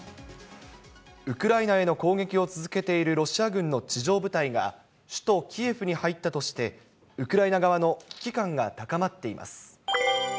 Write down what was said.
ウクライナへの攻撃を続けているロシア軍の地上部隊が、首都キエフに入ったとして、ウクライナ側の危機感が高まっています。